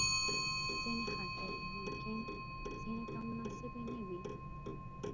ځینې خاطرې ممکن ځینو ته مناسبې نه وي.